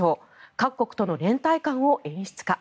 各国との連帯感を演出か。